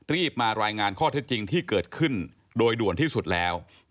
รีบมารายงานข้อเท็จจริงที่เกิดขึ้นโดยด่วนที่สุดแล้ว